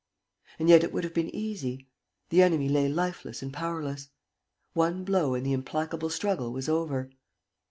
And yet it would have been easy: the enemy lay lifeless and powerless. One blow and the implacable struggle was over.